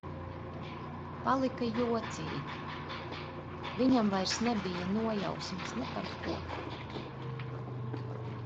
Palika jocīgi. Viņam vairs nebija nojausmas ne par ko.